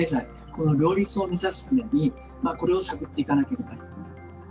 この両立を目指すときにこれを探っていかなければならない。